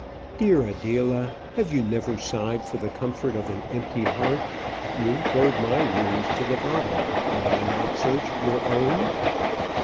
"Dear Adela; have you never sighed for the comfort of an empty heart? You probe my wounds to the bottom; may I not search your own?"